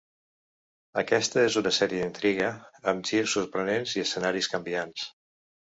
Aquesta és una sèrie d'intriga, amb girs sorprenents i escenaris canviants.